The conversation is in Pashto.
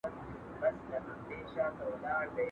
¬ په بدلو څوک نه لوئېږي.